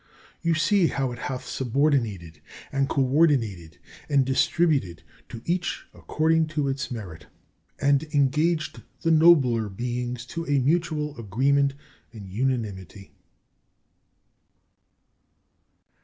You see how it hath subordinated, and co ordinated, and distributed to each according to its merit, and engaged the nobler beings to a mutual agreement and unanimity.